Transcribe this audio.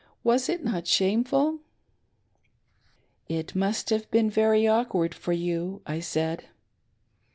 Was it not shameful .'"" It must have been very awkward for you," I said.